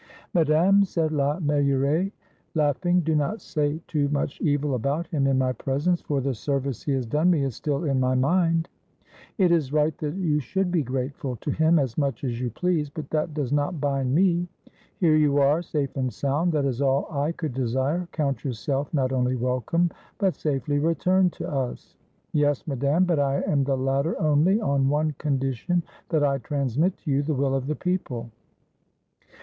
"Madame," said La Meilleraie, laughing, "do not say too much evil about him in my presence, for the service he has done me is still in my mind." " It is right that you should be grateful to him as much as you please, but that does not bind me. Here you are safe and sound, — that is all I could desire; count your self not only welcome, but safely returned to us." "Yes, Madame; but I am the latter only on one condition, — that I transmit to you the will of the people."